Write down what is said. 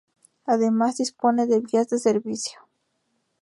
Además, dispone de vías de servicio.